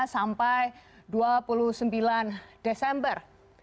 dua belas sampai dua puluh sembilan desember